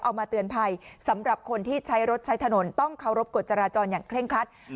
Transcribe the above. เอามาเตือนภัยสำหรับคนที่ใช้รถใช้ถนนต้องเคารพกฎจราจรอย่างเคร่งครัด